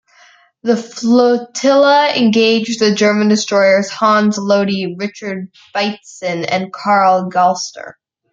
The flotilla engaged the German destroyers "Hans Lody", "Richard Beitzen", and "Karl Galster".